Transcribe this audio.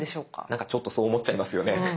なんかちょっとそう思っちゃいますよね。